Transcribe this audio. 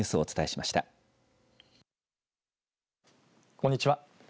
こんにちは。